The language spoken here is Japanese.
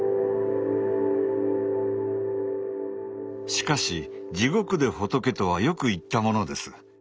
しかし地獄で仏とはよく言ったものです。